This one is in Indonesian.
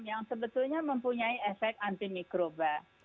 yang sebetulnya mempunyai efek antivirus